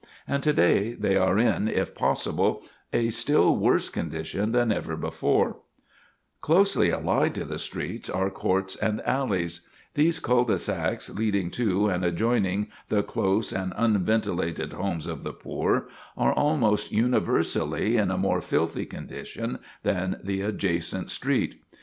And to day they are in, if possible, a still worse condition than ever before. [Sidenote: Filthy Courts and Alleys] Closely allied to the streets are courts and alleys. These cul de sacs leading to, and adjoining the close and unventilated homes of the poor, are almost universally in a more filthy condition than the adjacent street.